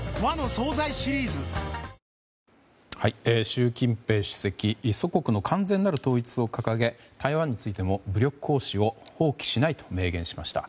習近平主席祖国の完全なる統一を掲げ台湾についても武力行使を放棄しないと明言しました。